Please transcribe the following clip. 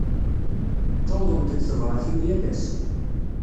Ttawḍent-d tebṛatin yal ass.